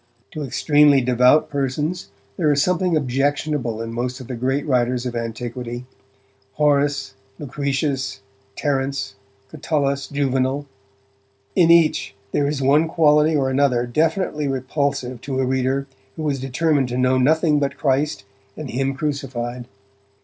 To extremely devout persons, there is something objectionable in most of the great writers of antiquity. Horace, Lucretius, Terence, Catullus, Juvenal, in each there is one quality or another definitely repulsive to a reader who is determined to know nothing but Christ and him crucified.